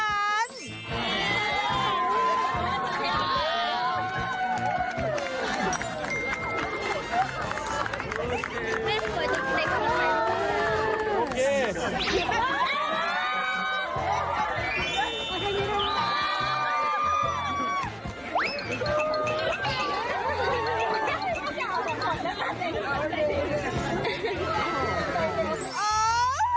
แม่สวยจริงขอบคุณมาก